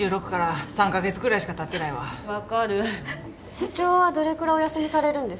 社長はどれくらいお休みされるんですか？